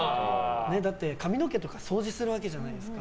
だって髪の毛とか掃除するわけじゃないですか。